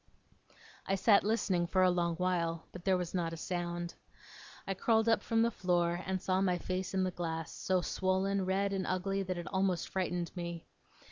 I sat listening for a long while, but there was not a sound. I crawled up from the floor, and saw my face in the glass, so swollen, red, and ugly that it almost frightened me.